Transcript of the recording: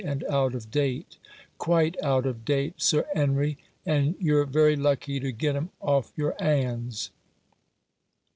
and out of date —" quite out of date, Sir 'Enry, and you're very lucky to get 'em off your 'ands."